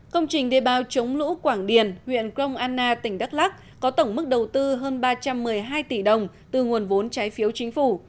công trình đê bao chống lũ quảng điền huyện krong anna tỉnh đắk lắc có tổng mức đầu tư hơn ba trăm một mươi hai tỷ đồng từ nguồn vốn trái phiếu chính phủ